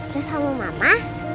terus sama mama